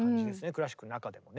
クラシックの中でもね。